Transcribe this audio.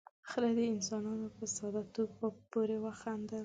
، خره د انسانانو په ساده توب پورې خندل.